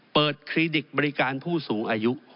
เปิดครีดิกส์บริการผู้สูงอายุ